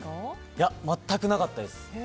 いや、全くなかったです。